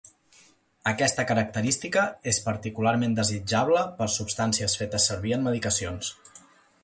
Aquesta característica és particularment desitjable per substancies fetes servir en medicacions.